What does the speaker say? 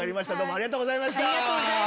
ありがとうございます。